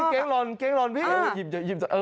เก๊งรอนพี่